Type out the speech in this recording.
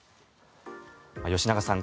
吉永さん